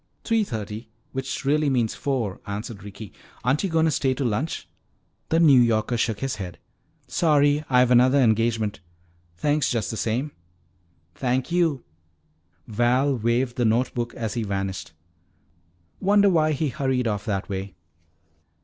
"Three thirty, which really means four," answered Ricky. "Aren't you going to stay to lunch?" The New Yorker shook his head. "Sorry, I've another engagement. Thanks just the same." "Thank you!" Val waved the note book as he vanished. "Wonder why he hurried off that way?"